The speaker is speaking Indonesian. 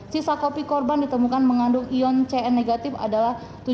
sisa kopi korban ditemukan mengandung ion cn negatif adalah tujuh ribu empat ratus ml